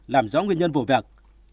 làm rõ nguyên nhân vụ vẹt